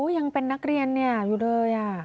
ยังเป็นนักเรียนอยู่เลย